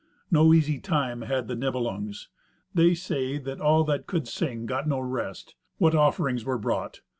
No easy time had the Nibelungs. They say that all that could sing got no rest. What offerings were brought!